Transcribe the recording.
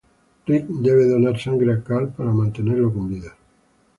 Rick debe donar sangre a Carl para mantenerlo con vida.